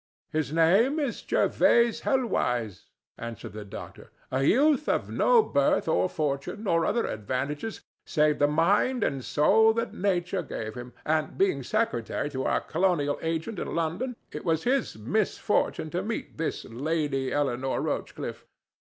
"His name is Jervase Helwyse," answered the doctor—"a youth of no birth or fortune, or other advantages save the mind and soul that nature gave him; and, being secretary to our colonial agent in London, it was his misfortune to meet this Lady Eleanore Rochcliffe.